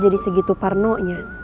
jadi segitu parno nya